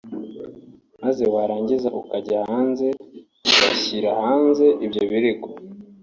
maze warangiza ukajya hanze ugashyira hanze ibyo birego